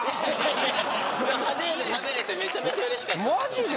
初めて食べれてめちゃめちゃうれしかったですマジで？